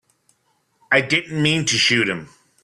I didn't mean to shoot him.